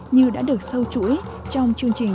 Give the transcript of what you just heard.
như đã được sâu chuỗi trong chương trình